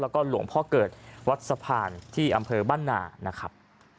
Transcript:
แล้วก็หลวงพ่อเกิดวัดสะพานที่อำเภอบ้านนานะครับ